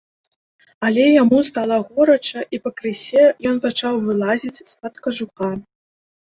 Але яму стала горача, і пакрысе ён пачаў вылазіць з-пад кажуха.